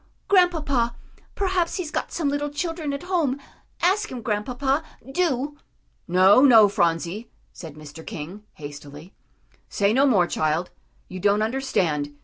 "Grandpapa, perhaps he's got some little children at home; ask him, Grandpapa, do." "No, no, Phronsie," said Mr. King, hastily. "Say no more, child; you don't understand.